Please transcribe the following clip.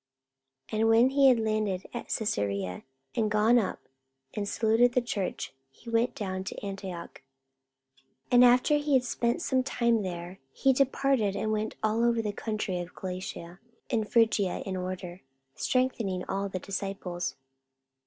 44:018:022 And when he had landed at Caesarea, and gone up, and saluted the church, he went down to Antioch. 44:018:023 And after he had spent some time there, he departed, and went over all the country of Galatia and Phrygia in order, strengthening all the disciples.